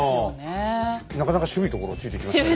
いやなかなか渋いところをついてきましたね。